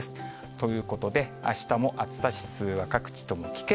ということで、あしたも暑さ指数は各地とも危険。